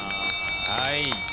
はい。